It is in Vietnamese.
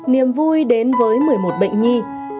niềm vui đến với một mươi một bệnh nhi